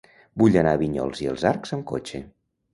Vull anar a Vinyols i els Arcs amb cotxe.